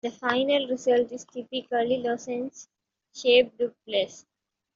The final result is typically a lozenge shaped duplex.